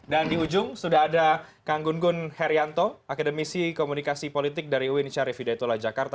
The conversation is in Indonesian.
dan di ujung sudah ada kang gun gun herianto akademisi komunikasi politik dari uini syarif hidayatullah jakarta